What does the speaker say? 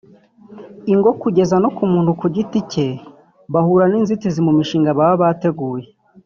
ingo kugeza no ku muntu ku giti cye bahura n’inzitizi mu mishinga baba barateguye